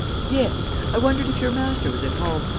"Yes. I wondered if your Master was at home.